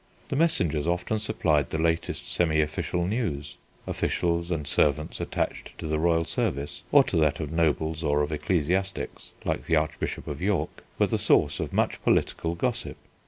The messengers often supplied the latest semi official news. Officials and servants attached to the royal service or to that of nobles or of ecclesiastics (like the Archbishop of York), were the source of much political gossip.